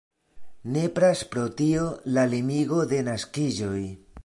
Nepras pro tio la limigo de naskiĝoj.